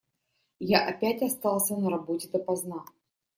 Я опять остался на работе допоздна.